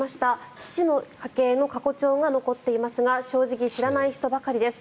父の家計の過去帳が残っていますが正直知らない人ばかりです。